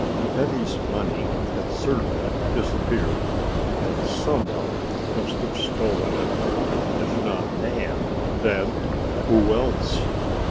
Betty's money had certainly disappeared and some one must have stolen it; if not Nan, then who else?